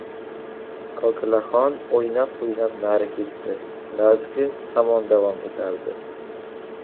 Kokilaxon o‘ynab-o‘ynab nari ketdi. «Lazgi» hamon davom etardi.